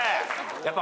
やっぱ。